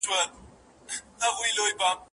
ته لېونۍ خو نه یې؟